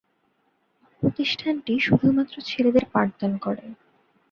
প্রতিষ্ঠানটি শুধুমাত্র ছেলেদের পাঠদান করে।